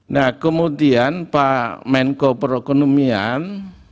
nah kemudian pak menko perekonomian